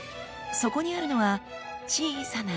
そこにあるのは小さな